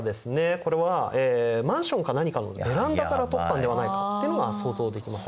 これはマンションか何かのベランダから撮ったんではないかっていうのが想像できます。